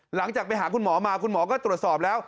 หลังจากไปหาคุณหมอมาคุณหมอก็ตรวจสอบแล้ว